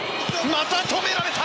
また止められた。